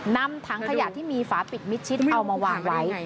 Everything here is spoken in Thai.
นำถังขยะที่มีฝาปิดมิดชิดเอามาวางไว้